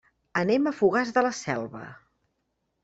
Anem a Fogars de la Selva.